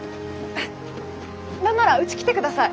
なんならうち来てください。